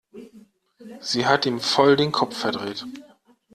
Sie hat ihm voll den Kopf verdreht.